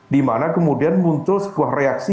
dimana kemudian muncul sebuah reaksi